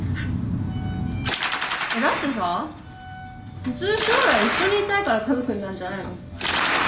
えっだってさ普通将来一緒にいたいから家族になるんじゃないの？